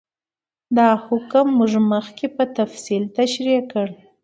دا حکم موږ مخکې په تفصیل تشرېح کړ.